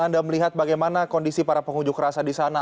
anda melihat bagaimana kondisi para pengunjung kerasa di sana